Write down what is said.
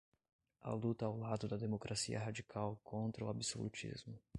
a luta ao lado da democracia radical contra o absolutismo